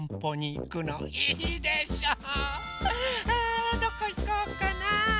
あどこいこうかな？